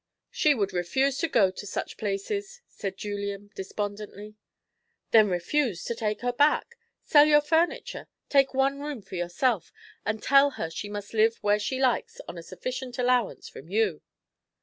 "She would refuse to go to such places," said Julian despondently. "Then refuse to take her back! Sell your furniture; take one room for yourself; and tell her she must live where she likes on a sufficient allowance from you."